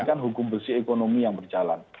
ini kan hukum besi ekonomi yang berjalan